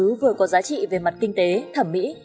gốm sứ vừa có giá trị về mặt kinh tế thẩm mỹ